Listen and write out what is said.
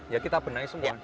ya kita benahi semua